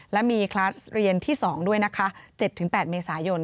และมีคลัสเรียนที่๒ด้วยนะคะ๗๘เมษายน